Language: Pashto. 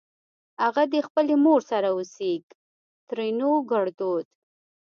اغه دې خپلې مور سره اوسېږ؛ ترينو ګړدود